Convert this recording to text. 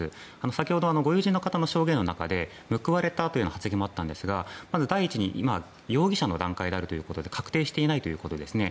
先ほどご友人の証言の中で報われたというような発言もあったんですがまず第一に容疑者の段階であるということで確定していないということですね。